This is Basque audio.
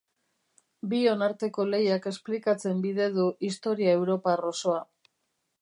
Bion arteko lehiak esplikatzen bide du historia europar osoa.